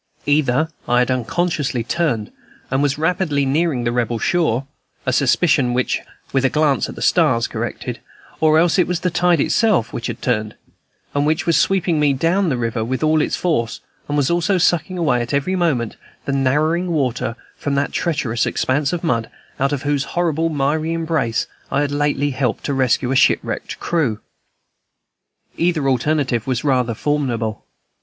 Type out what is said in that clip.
Either I had unconsciously turned and was rapidly nearing the Rebel shore, a suspicion which a glance at the stars corrected, or else it was the tide itself which had turned, and which was sweeping me down the river with all its force, and was also sucking away at every moment the narrowing water from that treacherous expanse of mud out of whose horrible miry embrace I had lately helped to rescue a shipwrecked crew. Either alternative was rather formidable.